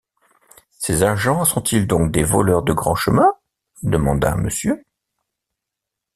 Ces agents sont-ils donc des voleurs de grand chemin ? demanda Mrs.